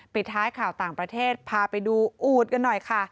ปิดท้ายข่าวต่างประเทศพาไปดูอูดกันหน่อยค่ะ